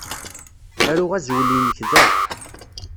Aru azwel-inek da.